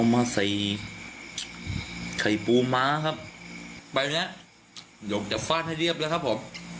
เอามาใส่ไข่ปูมาครับไปแล้วหยกจับฟาดให้เรียบละครับผม